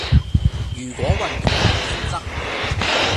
如果運動員傾側